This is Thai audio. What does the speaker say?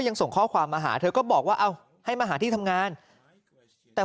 ส่งข้อความมาหาเธอก็บอกว่าเอาให้มาหาที่ทำงานแต่